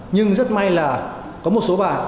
nhưng rất may là có một số bạn